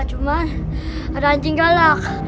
cuman ada anjing galak